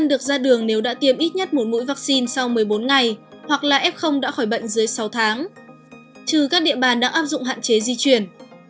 được ra đường nếu đã tiêm ít nhất một mũi vaccine sau một mươi bốn ngày hoặc là f đã khỏi bệnh dưới sáu tháng trừ các địa bàn đã áp dụng hạn chế di chuyển